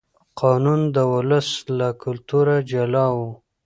قانون د ولس له کلتوره جلا و.